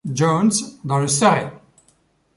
John's dans le Surrey.